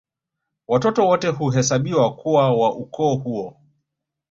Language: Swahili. Watoto wote huhesabiwa kuwa wa ukoo huo